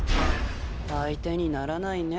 相手にならないね